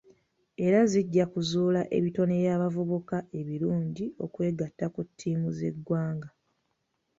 era zijja kuzuula ebitone by'abavubuka ebirungi okwegatta ku ttiimu z'eggwanga.